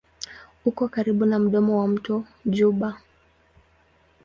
Uko karibu na mdomo wa mto Juba.